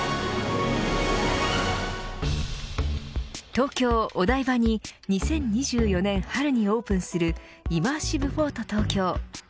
東京・お台場に２０２４年春にオープンするイマーシブ・フォート東京。